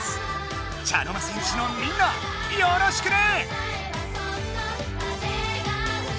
茶の間戦士のみんなよろしくね！